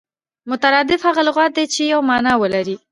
مترادف هغه لغت دئ، چي یوه مانا ولري.